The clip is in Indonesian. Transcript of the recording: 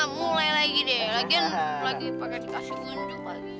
mulai lagi deh lagian lagi pakai dikasih gunjung kali